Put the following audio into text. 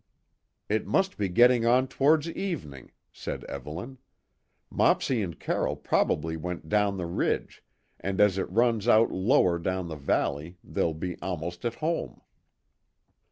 "It must be getting on towards evening," said Evelyn. "Mopsy and Carroll probably went down the Ridge, and as it runs out lower down the valley, they'll be almost at home."